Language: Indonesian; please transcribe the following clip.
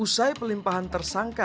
usai pelimpahan tersangka